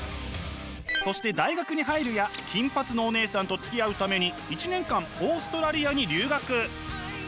そして大学に入るや金髪のおねえさんとつきあうために１年間オーストラリアに留学！